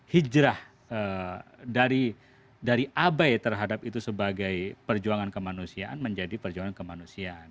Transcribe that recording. hijrah dari abai terhadap itu sebagai perjuangan kemanusiaan menjadi perjuangan kemanusiaan